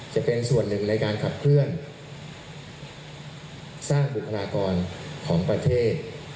จะเป็นส่วนหนึ่งในการขับเคลื่อนสร้างบุคลากรของประเทศ